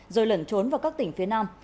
rồi lẩn trốn vào các tỉnh phía nam